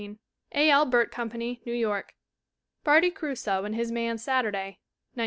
A. L. Burt Company, New York. Barty Crusoe and His Man Saturday, 1914.